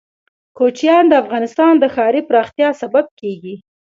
کوچیان د افغانستان د ښاري پراختیا سبب کېږي.